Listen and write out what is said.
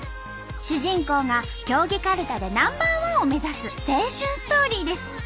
主人公が競技かるたでナンバーワンを目指す青春ストーリーです。